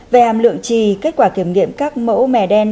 về hàm lượng trì kết quả kiểm nghiệm các mẫu mẻ đen